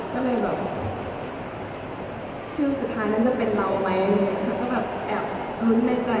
ก็เลยแบบชื่อสุดท้ายนั้นจะเป็นเราไหมเขาก็แบบแอบลุ้นในใจ